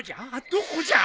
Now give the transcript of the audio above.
どこじゃ？